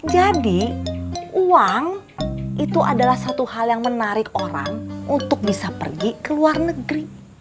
uang itu adalah satu hal yang menarik orang untuk bisa pergi ke luar negeri